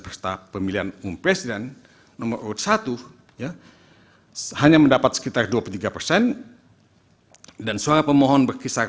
peserta pemilihan umum presiden nomor urut satu ya hanya mendapat sekitar dua puluh tiga persen dan suara pemohon berkisar